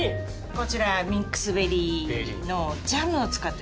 こちらミックスベリーのジャムを使ってます。